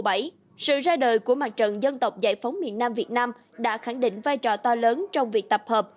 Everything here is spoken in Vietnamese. tại hội nghị sự ra đời của mặt trận dân tộc giải phóng miền nam việt nam đã khẳng định vai trò to lớn trong việc tập hợp